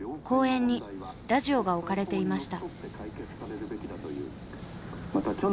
公園にラジオが置かれていました。